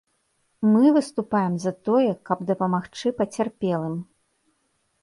Мы выступаем за тое, каб дапамагчы пацярпелым.